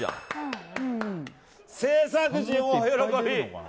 制作陣も大喜び。